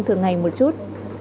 thường ngày một chút